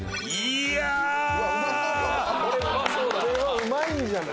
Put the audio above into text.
「これはうまいんじゃない？」